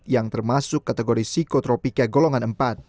yang termasuk kategori psikotropika golongan empat